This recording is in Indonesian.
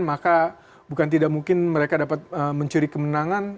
maka bukan tidak mungkin mereka dapat mencuri kemenangan